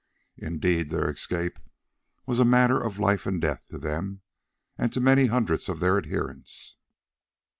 Indeed, their escape was a matter of life and death to them and to many hundreds of their adherents.